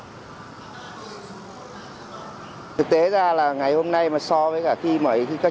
vì vậy là tuy là các trường đồng vào tổ chức khai giảng